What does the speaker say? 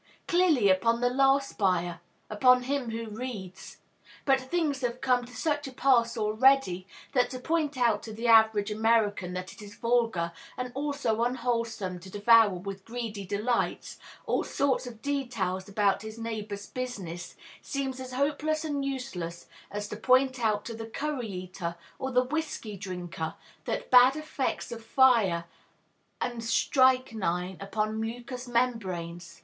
Clearly, upon the last buyer, upon him who reads. But things have come to such a pass already that to point out to the average American that it is vulgar and also unwholesome to devour with greedy delight all sorts of details about his neighbors' business seems as hopeless and useless as to point out to the currie eater or the whiskey drinker the bad effects of fire and strychnine upon mucous membranes.